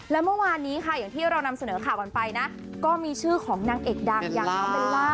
และเมื่อวานนี้ค่ะอย่างที่เรานำเสนอข่าวกันไปนะก็มีชื่อของนางเอกดังอย่างน้องเบลล่า